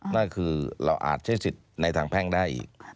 นั่นคือเราอาจใช้สิทธิ์ในทางแพ่งได้อีก